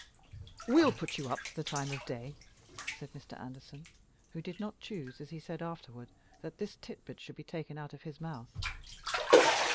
"We'll put you up to the time of day," said Mr. Anderson, who did not choose, as he said afterward, that this tidbit should be taken out of his mouth.